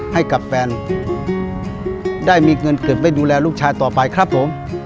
ให้กับแฟนได้มีเงินเก็บไว้ดูแลลูกชายต่อไปครับผม